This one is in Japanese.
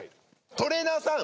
トレーナーさん！